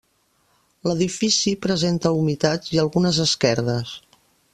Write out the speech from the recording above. L'edifici presenta humitats i algunes esquerdes.